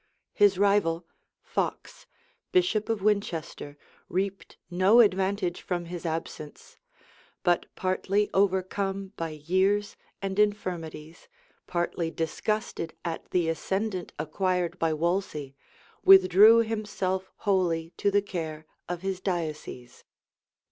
His rival, Fox, bishop of Winchester reaped no advantage from his absence; but partly overcome by years and infirmities, partly disgusted at the ascendant acquired by Wolsey, withdrew himself wholly to the care of his diocese.